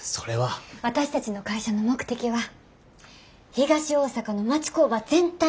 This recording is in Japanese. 私たちの会社の目的は東大阪の町工場全体の活性化です。